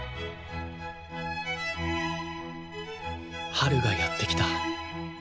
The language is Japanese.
春がやってきた。